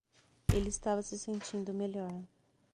Ele estava se sentindo melhor